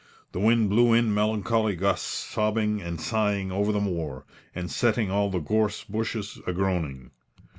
The wind blew in melancholy gusts, sobbing and sighing over the moor, and setting all the gorse bushes agroaning.